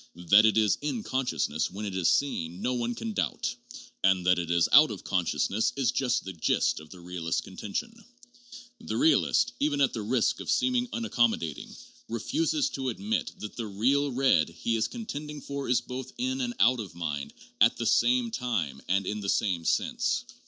That it is in con sciousness when it is seen, no one can doubt; and that it is out of consciousness is just the gist of the realist's contention.' The realist, even at the risk of seeming unaccommodating, refuses to admit that • Op. cit., p. 185. 456 THE JOURNAL OF PHILOSOPHY the real red he is contending for is both in and out of the mind at the same time and in the same sense.